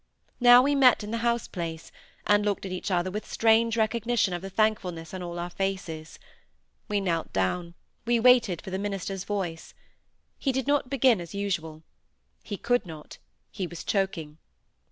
Now we met in the house place, and looked at each other with strange recognition of the thankfulness on all our faces. We knelt down; we waited for the minister's voice. He did not begin as usual. He could not; he was choking.